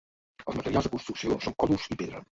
Els materials de construcció són còdols i pedra.